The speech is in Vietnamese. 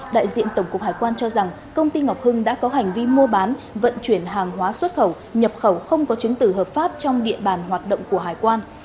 đại diện tổng cục hải quan cho rằng công ty ngọc hưng đã có hành vi mua bán vận chuyển hàng hóa xuất khẩu nhập khẩu không có chứng tử hợp pháp trong địa bàn hoạt động của hải quan